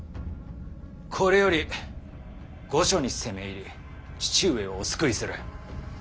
これより御所に攻め入り父上をお救いする。